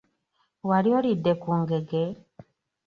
Wali olidde ku ngege?